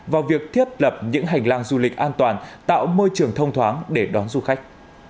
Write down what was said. vào việc thiết lập những hành lang du lịch an toàn tạo môi trường thông thoáng để đón du khách